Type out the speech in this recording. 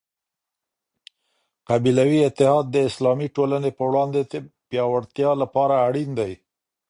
قبیلوي اتحاد د اسلامي ټولني په وړاندي د پياوړتیا لپاره اړین دی.